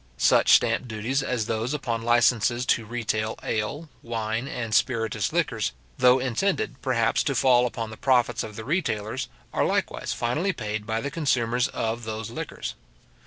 Such stamp duties as those upon licences to retail ale, wine, and spiritous liquors, though intended, perhaps, to fall upon the profits of the retailers, are likewise finally paid by the consumers of those liquors.